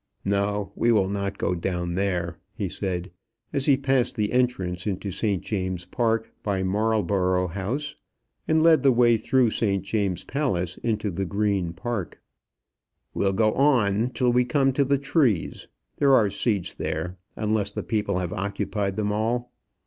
"No; we will not go down there," he said, as he passed the entrance into St. James's Park by Marlborough House, and led the way through St. James's Palace into the Green Park. "We'll go on till we come to the trees; there are seats there, unless the people have occupied them all.